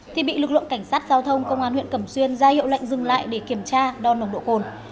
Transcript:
thì bị lực lượng cảnh sát giao thông công an huyện cẩm xuyên ra hiệu lệnh dừng lại để kiểm tra đo nồng độ cồn